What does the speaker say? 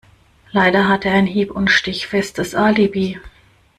Leider hat er ein hieb- und stichfestes Alibi.